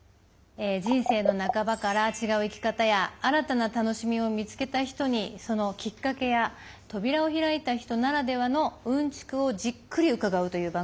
人生の半ばから違う生き方や新たな楽しみを見つけた人にそのきっかけや扉を開いた人ならではのうんちくをじっくり伺うという番組なんですけれども。